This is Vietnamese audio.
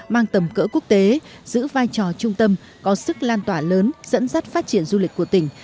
mang tầm cỡ quốc tế giữ vai trò trung tâm có sức lan tỏa lớn dẫn dắt phát triển du lịch của tỉnh